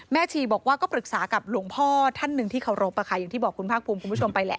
ชีบอกว่าก็ปรึกษากับหลวงพ่อท่านหนึ่งที่เคารพอย่างที่บอกคุณภาคภูมิคุณผู้ชมไปแหละ